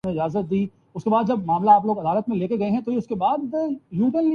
وہ وزارت عظمی کے منصب کے لیے نااہل ہو جا تا ہے۔